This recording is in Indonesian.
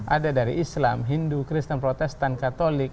ada dari islam hindu kristen protestan katolik